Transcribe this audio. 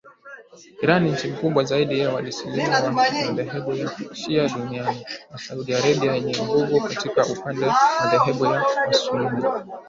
Iran, nchi kubwa zaidi ya waislamu wa madhehebu ya shia duniani, na Saudi Arabia yenye nguvu katika upande madhehebu ya wasunni